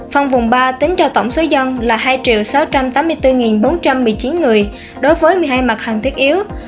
phong vùng ba tính cho tổng số dân là hai sáu trăm tám mươi bốn bốn trăm một mươi chín người đối với một mươi hai mặt hàng thiết yếu